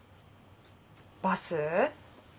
バス？